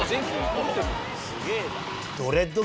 すげぇな。